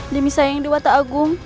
demi saya yang dewa tak agung